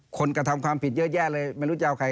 กระทำความผิดเยอะแยะเลยไม่รู้จะเอาใคร